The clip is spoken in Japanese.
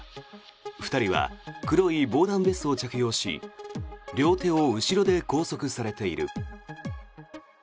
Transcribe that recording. ２人は黒い防弾ベストを着用し両手を後ろで拘束されている。